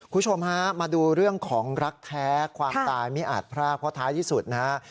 คุณผู้ชมฮะมาดูเรื่องของรักแท้ความตายไม่อาจพรากเพราะท้ายที่สุดนะฮะ